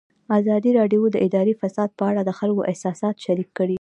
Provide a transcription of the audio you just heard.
ازادي راډیو د اداري فساد په اړه د خلکو احساسات شریک کړي.